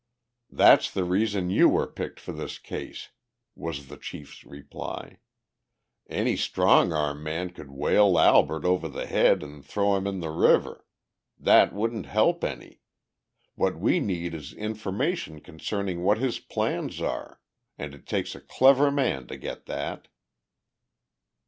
"That's the reason you were picked for this case," was the chief's reply. "Any strong arm man could whale Albert over the head and throw him in the river. That wouldn't help any. What we need is information concerning what his plans are, and it takes a clever man to get that."